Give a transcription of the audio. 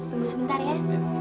tunggu sebentar ya